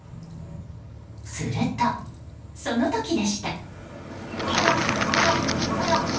すると、その時でした。